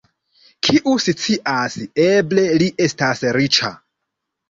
Kiu scias, eble li estas riĉa!